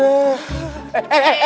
iya lah masa ditetesin ke mata